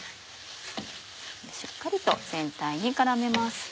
しっかりと全体に絡めます。